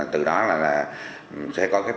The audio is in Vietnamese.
từ đó là sẽ có các